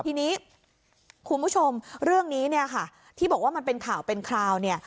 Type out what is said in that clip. ทีนี้คุณผู้ชมเรื่องนี้เนี่ยค่ะที่บอกว่ามันเป็นข่าวเป็นคราวเนี่ย